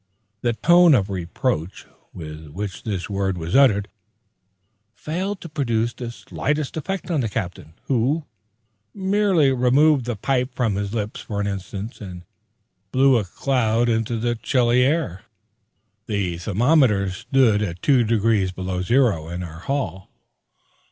The tone of reproach with which this word was uttered failed to produce the slightest effect on the Captain, who merely removed the pipe from his lips for an instant, and blew a cloud into the chilly air. The thermometer stood at two degrees below zero in our hall.